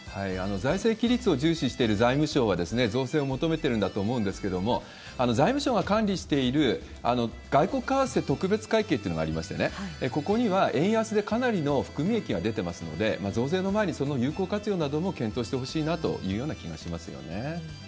財政規律を重視している財務省は、増税を求めてるんだと思うんですけれども、財務省が管理している外国為替特別会計っていうのがありましてね、ここには円安でかなりの含み益が出ていますので、増税の前に、その有効活用など検討してほしいなというような気がしますよね。